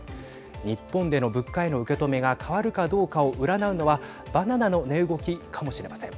日本での物価への受け止めが変わるかどうかを占うのはバナナの値動きかもしれません。